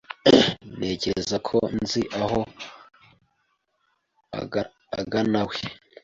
Ntekereza ko nzi aho aganawe.